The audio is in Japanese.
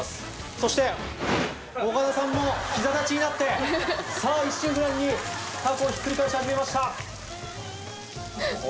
そして岡田さんも膝立ちになってさぁ一心不乱にたこをひっくり返し始めました。